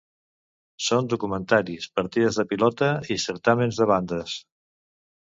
Són documentaris, partides de pilota i certàmens de bandes.